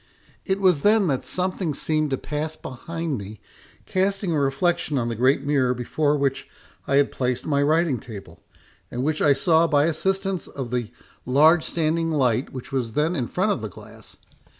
It was then that something seemed to pass behind me, casting a reflection on the great mirror before which I had placed my writing table, and which I saw by assistance of the large standing light which was then in front of the glass.